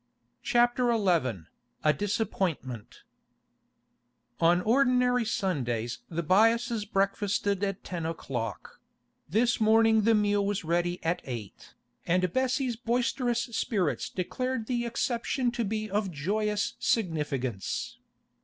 CHAPTER XI A DISAPPOINTMENT On ordinary Sundays the Byasses breakfasted at ten o'clock; this morning the meal was ready at eight, and Bessie's boisterous spirits declared the exception to be of joyous significance.